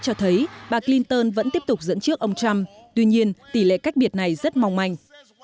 cho thấy bà clinton vẫn tiếp tục dẫn trước ông trump tuy nhiên tỷ lệ cách biệt này rất mong manh